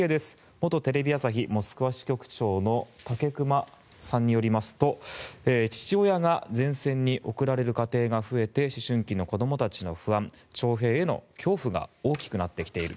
元テレビ朝日モスクワ支局長の武隈さんによりますと父親が前線に送られる家庭が増えて思春期の子どもたちの不安徴兵の恐怖が大きくなってきている。